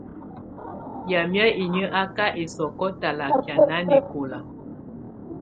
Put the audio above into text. Yamɛ̀á inyǝ́ á ka ɛsɔkɔ talakɛá nanɛkɔla.